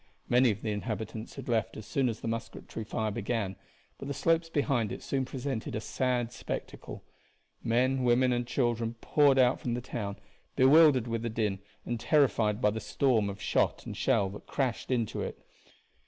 Many of the inhabitants had left as soon as the musketry fire began, but the slopes behind it soon presented a sad spectacle. Men, women, and children poured out from the town, bewildered with the din and terrified by the storm of shot and shell that crashed into it.